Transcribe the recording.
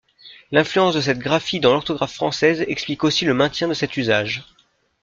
L'influence de cette graphie dans l'orthographe française explique aussi le maintien de cet usage.